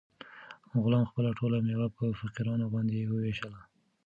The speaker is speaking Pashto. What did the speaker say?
غلام خپله ټوله مېوه په فقیرانو باندې وویشله.